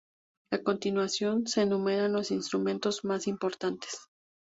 A continuación se enumeran los instrumentos más importantes.